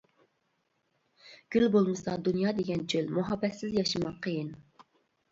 گۈل بولمىسا دۇنيا دېگەن چۆل، مۇھەببەتسىز ياشىماق قىيىن.